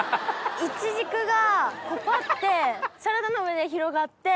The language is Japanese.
イチジクがパッてサラダの上で広がって。